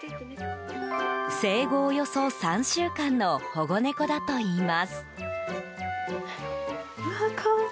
生後およそ３週間の保護猫だといいます。